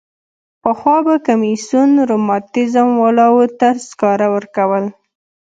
پخوا به کمیسیون رماتیزم والاوو ته سکاره ورکول.